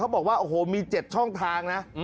บอกว่าโอ้โหมี๗ช่องทางนะ